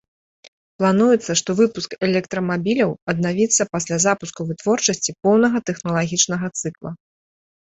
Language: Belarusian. Плануецца, што выпуск электрамабіляў аднавіцца пасля запуску вытворчасці поўнага тэхналагічнага цыкла.